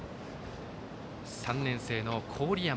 ３年生の郡山。